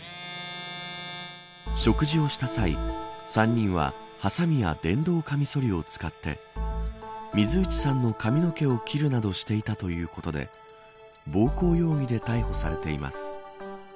食事をした際３人ははさみや電動カミソリを使って水内さんの髪の毛を切るなどしていたということで暴行容疑で逮捕されています。